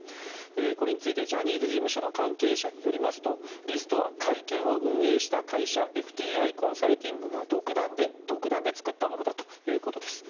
これについてジャニーズ事務所の関係者によりますとリストは会見を運営した会社ＦＴＩコンサルティングが独断で作ったものだということです。